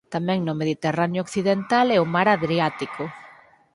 Tamén no Mediterráneo occidental e o mar Adriático.